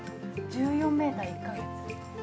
◆１４メーター、１か月。